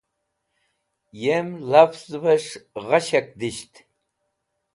Yem lavzẽves̃h gha shak disht.